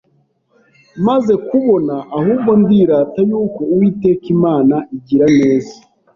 maze kubona, ahubwo ndirata yuko Uwiteka Imana igira neza